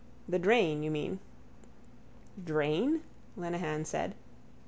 The drain, you mean. —Drain? Lenehan said.